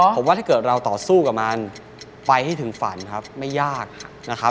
ผมว่าถ้าเกิดเราต่อสู้กับมันไปให้ถึงฝันครับไม่ยากนะครับ